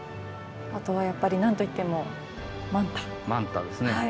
あとはやっぱり何と言ってもマンタですね。